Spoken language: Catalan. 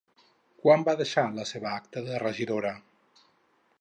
Quan va deixar la seva acta de regidora?